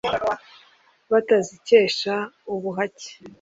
batazikesha ubuhake